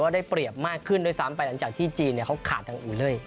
ได้เปรียบมากขึ้นด้วยซ้ำไปหลังจากที่จีนเขาขาดทางอื่นเลย